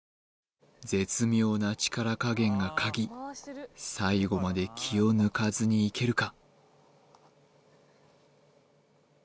絶妙な力加減が鍵最後まで気を抜かずにいけるか？